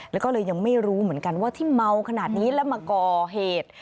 แล้วก็เลยยังไม่รู้เหมือนกันว่าที่เมาขนาดนี้แล้วมาก่อเหตุ